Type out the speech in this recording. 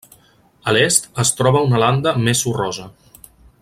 A l'est, es troba una landa més sorrosa.